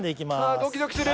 あドキドキする。